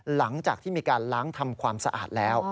หลังจากที่มีการล้างทำความสะอาดแล้ว